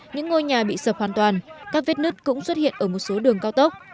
những ngôi nhà bị sập hoàn toàn các vết nứt cũng xuất hiện ở một số đường cao tốc